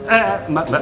eh mbak mbak